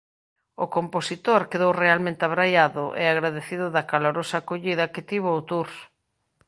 O compositor quedou realmente abraiado e agradecido da calorosa acollida que tivo o tour.